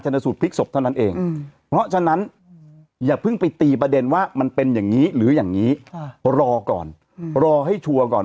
สูตพลิกศพเท่านั้นเองเพราะฉะนั้นอย่าเพิ่งไปตีประเด็นว่ามันเป็นอย่างนี้หรืออย่างนี้รอก่อนรอให้ชัวร์ก่อน